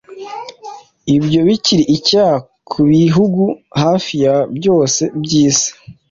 byo bikiri icyaha ku bihugu hafi ya byose by’Isi